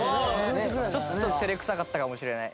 ちょっと照れくさかったかもしれない。